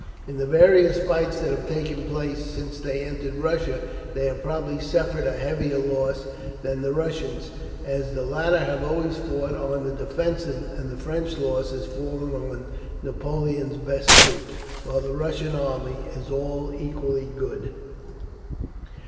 In the various fights that have taken place since they entered Russia, they have probably suffered a heavier loss than the Russians, as the latter have always fought on the defensive; and the French loss has fallen on Napoleon's best troops, while the Russian army is all equally good.